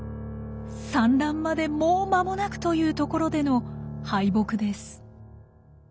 産卵までもう間もなくというところでの敗北です。